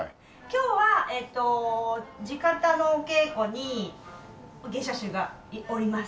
今日はえーっと地方のお稽古に芸者衆がおります。